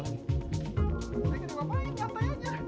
lebah trigona termasuk hewan liar yang membuat tanaman tertentu